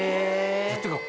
ってか